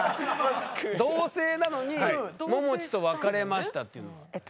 同棲なのに「ももちと別れました」っていうのは？